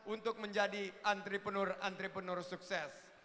untuk menjadi antrepreneur antrepreneur sukses